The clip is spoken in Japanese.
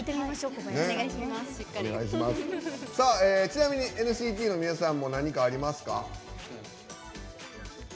ちなみにＮＣＴの皆さんも何かありますか？